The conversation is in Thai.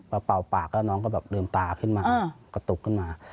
พอเป่าปากก็น้องก็แบบลืมตาขึ้นมากระตุกขึ้นมา